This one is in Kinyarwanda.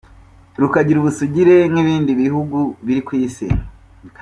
rukagira ubusugire nk’ibindi bihugu biri ku Isi